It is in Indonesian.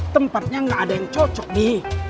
tempatnya nggak ada yang cocok nih